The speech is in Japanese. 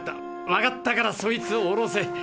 わかったからそいつを下ろせ。